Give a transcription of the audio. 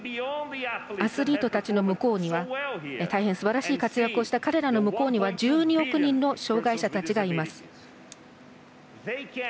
アスリートの向こうには大変すばらしい活躍をした彼らの向こうには１２億人の障がい者たちがいます。